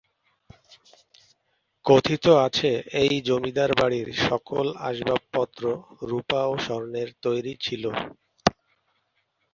কথিত আছে এই জমিদার বাড়ির সকল আসবাবপত্র রূপা ও স্বর্ণের তৈরি ছিল।